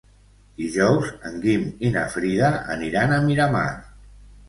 Dijous en Guim i na Frida aniran a Miramar.